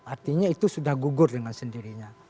artinya itu sudah gugur dengan sendirinya